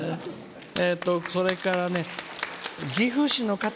それから、岐阜市のかた